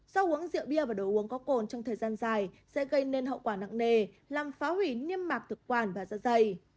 do uống rượu bia và đồ uống có cồn trong thời gian dài sẽ gây nên hậu quả nặng nề làm phá hủy niêm mạc thực quản và da dày